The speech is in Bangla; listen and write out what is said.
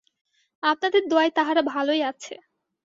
আপনাদের দোয়ায় তাহারা ভালোই আছে।